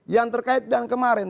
yang terkait dengan kemarin